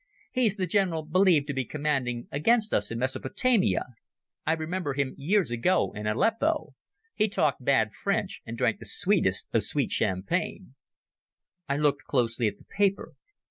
"He's the General believed to be commanding against us in Mesopotamia. I remember him years ago in Aleppo. He talked bad French and drank the sweetest of sweet champagne." I looked closely at the paper.